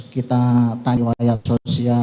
kita tanya rakyat sosial